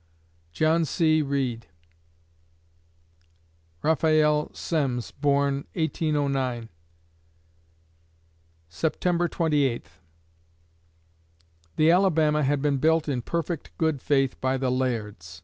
JOHN C. REED Raphael Semmes born, 1809 September Twenty Eighth The Alabama had been built in perfect good faith by the Lairds.